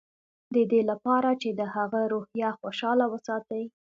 د دې لپاره چې د هغه روحيه خوشحاله وساتي.